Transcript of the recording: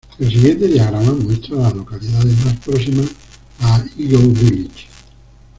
El siguiente diagrama muestra a las localidades más próximas a Eagle Village.